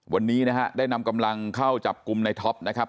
วันนี้นะฮะได้นำกำลังเข้าจับกลุ่มในท็อปนะครับ